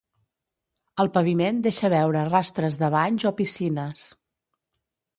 El paviment deixa veure rastres de banys o piscines.